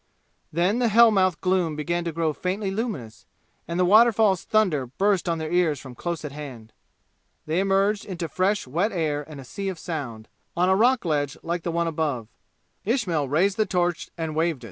Then the hell mouth gloom began to grow faintly luminous, and the waterfall's thunder burst on their ears from close at hand. They emerged into fresh wet air and a sea of sound, on a rock ledge like the one above. Ismail raised the torch and waved it.